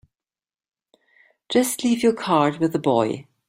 Just leave your card with the boy.